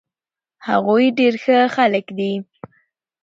هغوي ډير ښه خلک دي